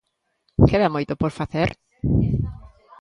¿Queda moito por facer?